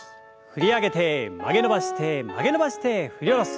振り上げて曲げ伸ばして曲げ伸ばして振り下ろす。